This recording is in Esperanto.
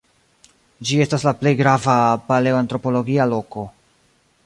Ĝi estas la plej grava paleoantropologia loko.